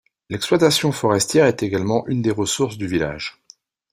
L'exploitation forestière est également une des ressources du village.